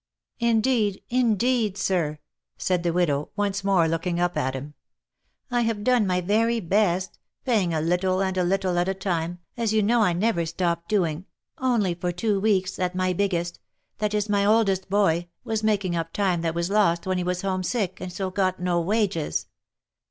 " Indeed, indeed, sir!" said the widow, once more looking up at him, " I have done my very best, paying a little and a little at a time, as you know I never stopped doing, only for two weeks that my biggest — that is my oldest boy, was making up time that was lost, when he was home sick, and so got no wages.